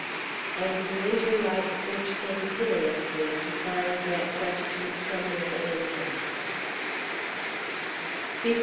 _ And the Winter light searched him pitilessly to find that question somewhere in him.